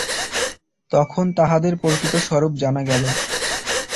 তখন তাহাদের প্রকৃত স্বরূপ জানা গেল।